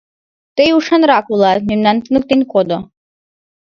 Тый ушанрак улат, мемнам туныктен кодо.